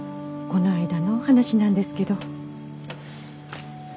この間のお話なんですけど。